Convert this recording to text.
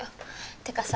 ってかさ